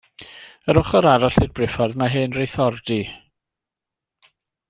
Yr ochr arall i'r briffordd mae hen Reithordy.